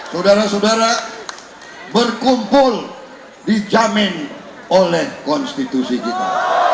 saudara saudara berkumpul dijamin oleh konstitusi kita